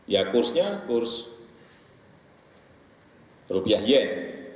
ya kursnya rupiah yen